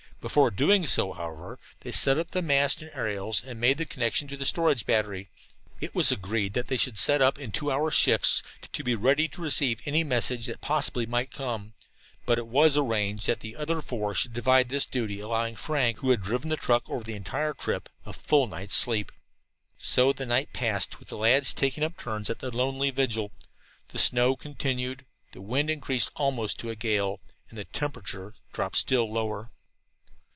Before doing so, however, they set up the mast and aerials and made the connection to the storage battery. It was agreed that they should sit up in two hour shifts, to be ready to receive any message that possibly might come, but it was arranged that the other four should divide this duty, allowing Frank, who had driven the truck over the entire trip, a full night's sleep. So the night passed, with the lads taking turns at the lonely vigil. The snow continued, the wind increased almost to a gale, and the temperature dropped still lower.